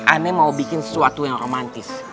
aneh mau bikin sesuatu yang romantis